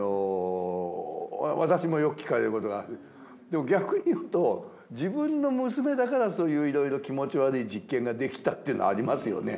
でも逆に言うと自分の娘だからそういういろいろ気持ち悪い実験ができたっていうのはありますよね。